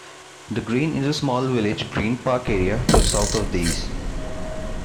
The Green is a small village green park area to the south of these.